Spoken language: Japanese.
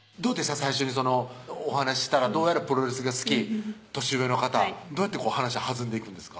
最初にお話ししたらどうやらプロレスが好き年上の方どうやって話弾んでいくんですか？